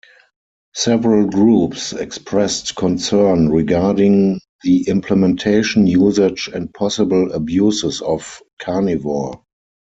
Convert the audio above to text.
Several groups expressed concern regarding the implementation, usage, and possible abuses of Carnivore.